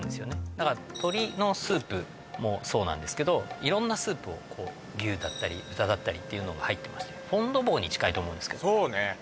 だから鶏のスープもそうなんですけど色んなスープを牛だったり豚だったりっていうのが入ってましてフォン・ド・ボーに近いと思うんですけどそうね